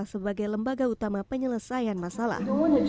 sebagai lembaga utama penyelesaian masalah